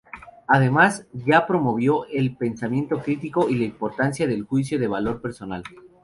Además, Ye promovió el pensamiento crítico y la importancia del juicio de valor personal.